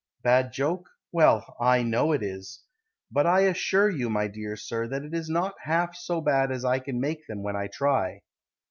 Bad joke? Well, I know it is. But I assure you, my dear Sir, That it is not half so bad as I can make them When I try.